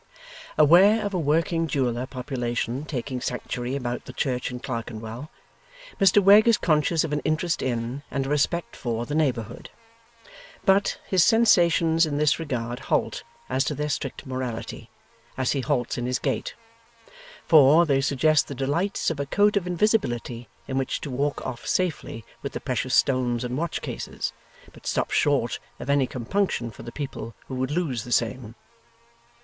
Aware of a working jeweller population taking sanctuary about the church in Clerkenwell, Mr Wegg is conscious of an interest in, and a respect for, the neighbourhood. But, his sensations in this regard halt as to their strict morality, as he halts in his gait; for, they suggest the delights of a coat of invisibility in which to walk off safely with the precious stones and watch cases, but stop short of any compunction for the people who would lose the same.